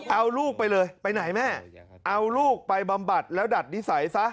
เอาลูกไปเลยไปไหนแม่เอาลูกไปบำบัดแล้วดัดนิสัยซะ